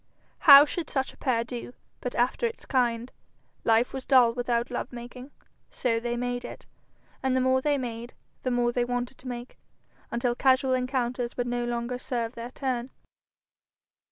How should such a pair do, but after its kind? Life was dull without love making, so they made it. And the more they made, the more they wanted to make, until casual encounters would no longer serve their turn.